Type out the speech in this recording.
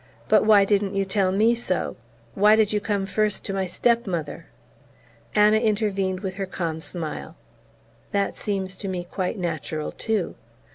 "But why didn't you tell me so? Why did you come first to my step mother?" Anna intervened with her calm smile. "That seems to me quite natural, too.